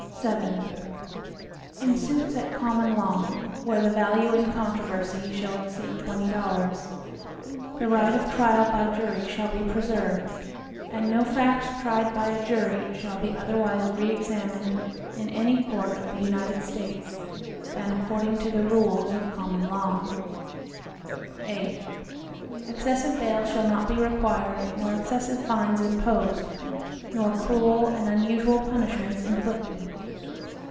VII In suits at common law, where the value in controversy shall exceed twenty dollars, the right of trial by jury shall be preserved, and no fact tried by a jury shall be otherwise re examined in any court of the United States, than according to the rules of the common law. VIII Excessive bail shall not be required nor excessive fines imposed, nor cruel and unusual punishments inflicted.